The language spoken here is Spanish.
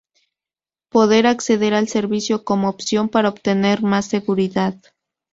poder acceder al servicio como opción para obtener más seguridad